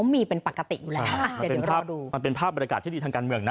มันเป็นภาพบริการที่ดีทางการเมืองนะ